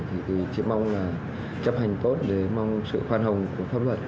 thì chỉ mong là chấp hành tốt để mong sự khoan hồng của pháp luật